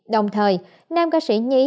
đồng thời nam ca sĩ nhí